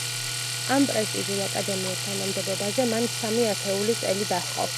ამ პრესტიჟულ აკადემიურ თანამდებობაზე მან სამი ათეული წელი დაჰყო.